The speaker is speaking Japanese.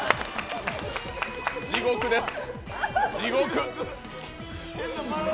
地獄です。